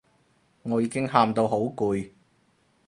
我已經喊到好攰